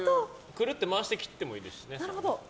くるっと回して切ってもいいですしね。